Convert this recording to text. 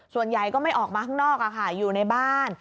ส่วนใหญ่ก็ไม่ออกมาข้างนอกอยู่ในบ้าน